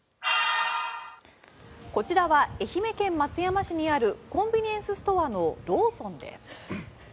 こちらは愛媛県松山市にあるコンビニエンスストアのローソンです。